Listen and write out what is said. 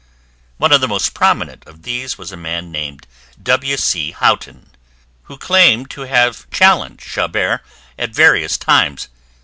One of the most prominent of these was a man named W. C. Houghton, who claimed to have challenged Chabert at various times.